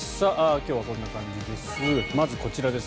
今日はこんな感じです。